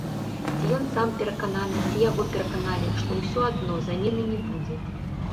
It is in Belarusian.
Ці ён сам перакананы, ці яго пераканалі, што ўсё адно замены не будзе.